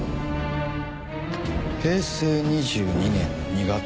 平成２２年２月。